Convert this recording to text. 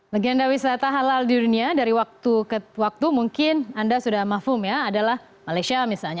legenda wisata halal di dunia dari waktu ke waktu mungkin anda sudah mafum ya adalah malaysia misalnya